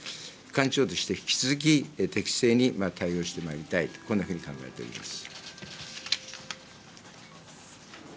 幹事長として引き続き、適正に対応してまいりたい、こんなふうに考えております。